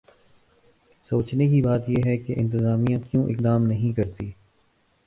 سوچنے کی بات ہے کہ انتظامیہ کیوں اقدام نہیں کرتی؟